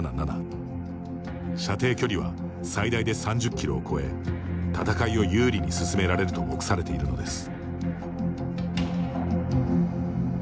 射程距離は最大で３０キロを超え戦いを有利に進められると目されているのです。